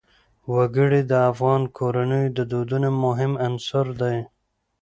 وګړي د افغان کورنیو د دودونو مهم عنصر دی.